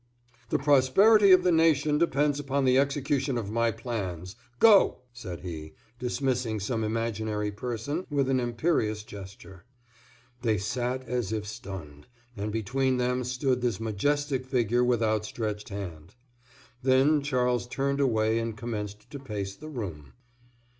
"The prosperity of the nation depends upon the execution of my plans. Go!" said he, dismissing some imaginary person with an imperious gesture. They sat as if stunned, and between them stood this majestic figure with outstretched hand. Then Charles turned away and commenced to pace the room.